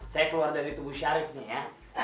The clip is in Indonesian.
saya keluar dari tubuh syarif nih ya